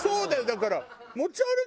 だから。